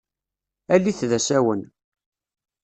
Alit d asawen.